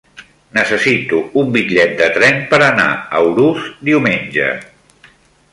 Necessito un bitllet de tren per anar a Urús diumenge.